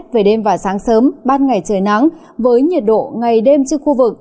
về đêm và sáng sớm ban ngày trời nắng với nhiệt độ ngày đêm trên khu vực